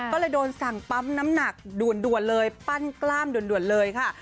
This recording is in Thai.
ก็เลยโดนสั่งปั๊มน้ำหนักด่วนเลยปั้นกล้ามด่วนเลยค่ะ